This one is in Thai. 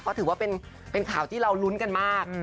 ก็ถือว่าเป็นข่าวที่เราลุ้นกันมาก